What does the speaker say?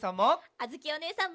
あづきおねえさんも！